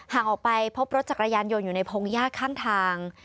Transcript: ห่างออกไปพบรถจักรยานยนต์อยู่ในพงหญ้าข้างทาง